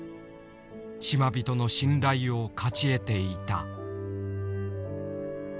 島人の信頼を勝ち得ていた。